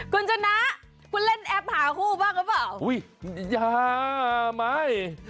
คุณชนะคุณเล่นแอปหาคู่บ้างหรือเปล่าอุ้ยยาไหม